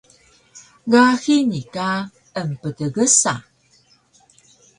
Ga hini ka emptgsa